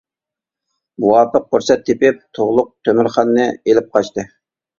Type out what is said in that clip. مۇۋاپىق پۇرسەت تېپىپ تۇغلۇق تۆمۈرخاننى ئېلىپ قاچتى.